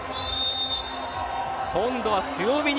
今度は強めに。